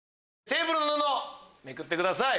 テーブルの布めくってください。